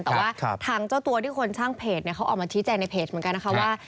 แต่ว่าทางเจ้าตัวที่คนช่างเพจเขาออกมาชี้แจงในเพจเหมือนกันนะคะว่า